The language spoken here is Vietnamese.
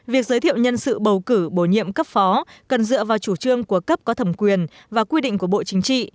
việc giới thiệu nhân sự bầu cử bổ nhiệm cấp phó cần dựa vào chủ trương của cấp có thẩm quyền và quy định của bộ chính trị